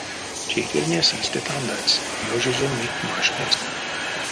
Тейтернесь истя тандадсь, ёжозо мик маштнесь.